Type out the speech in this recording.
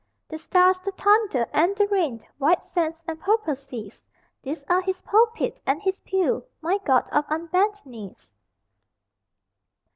The stars, the thunder, and the rain, White sands and purple seas These are His pulpit and His pew, My God of Unbent Knees!